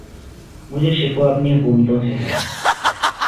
مجھے شکوہ اپنی حکومتوں سے ہے